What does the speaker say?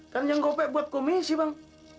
kan yang gope buat komisi bang